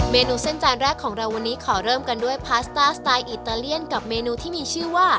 เมนูเส้นจานแรกของเราวันนี้ขอเริ่มกันด้วยพาสต้าสไตล์อิตาเลียนกับเมนูที่มีชื่อว่า